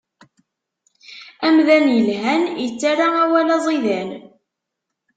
Amdan ilhan, ittarra awal aẓidan.